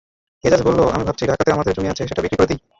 এজাজ বলল, আমি ভাবছি ঢাকাতে আমাদের জমি আছে, সেটা বিক্রি করে দিই।